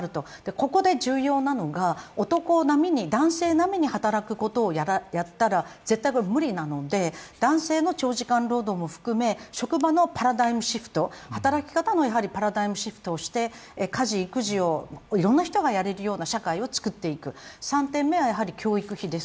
ここで重要なのが男性並みに働くことをやったら無理なので、男性の長時間労働も含め職場のパラダイムシフト働き方もパラダイムシフトにして家事、育児をいろいろな人がやれるような社会を作っていく、３点目は教育費です。